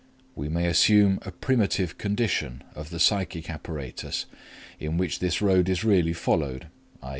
We may assume a primitive condition of the psychic apparatus in which this road is really followed, _i.